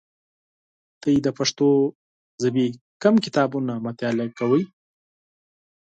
تاسو د پښتو ژبې کوم کتابونه مطالعه کوی؟